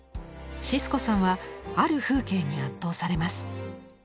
シスコさんはある風景に圧倒されます。